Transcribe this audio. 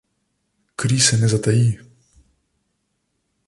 Kri se ne zataji.